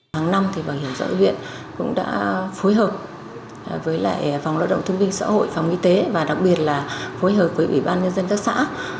tháng năm thì bảo hiểm xã hội huyện cũng đã phối hợp với lại phòng lợi động thương binh xã hội phòng y tế và đặc biệt là phối hợp với ủy ban nhân dân các xã